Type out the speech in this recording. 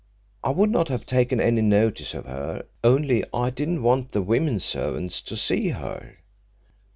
"I would not have taken any notice of her, only I didn't want the women servants to see her.